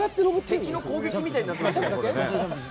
敵の攻撃みたいになってましたよ。